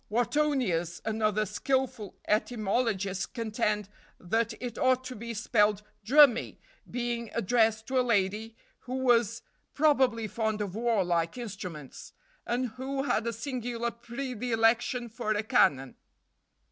Wartonius and other skilful etymologists contend that it ought to be spelled drummy, being addressed to a lady who was probably fond of warlike instruments, and who had a singular predilection for a canon.